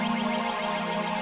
ya pak taufan